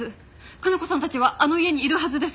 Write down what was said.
加奈子さんたちはあの家にいるはずです！